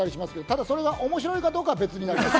ただそれが面白いかどうかは別になります。